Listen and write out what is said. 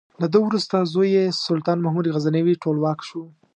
له ده وروسته زوی یې سلطان محمود غزنوي ټولواک شو.